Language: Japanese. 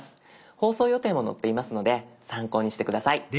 放送予定も載っていますので参考にして下さい。